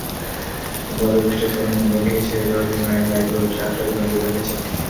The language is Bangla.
অব্যাহত বৃষ্টির ফলে মুম্বাই থেকে ছেড়ে যাওয়া বিমানের ফ্লাইটগুলোর যাত্রাও বিলম্বিত হয়েছে।